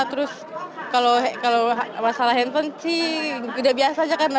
terus kalau masalah handphone sih udah biasa aja kan